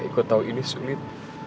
iko tahu ini sulit